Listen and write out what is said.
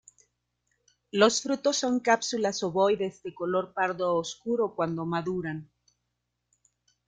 Los frutos son cápsulas ovoides de color pardo oscuro cuando maduran.